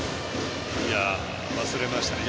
忘れましたね。